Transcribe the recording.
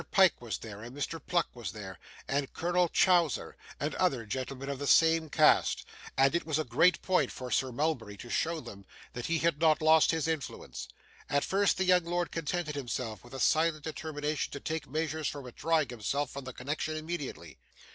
Pyke was there, and Mr. Pluck was there, and Colonel Chowser, and other gentlemen of the same caste, and it was a great point for Sir Mulberry to show them that he had not lost his influence. At first, the young lord contented himself with a silent determination to take measures for withdrawing himself from the connection immediately.